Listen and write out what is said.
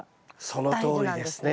そのとおりですね。